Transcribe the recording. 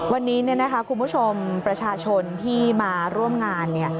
วันนี้คุณผู้ชมประชาชนที่มาร่วมงาน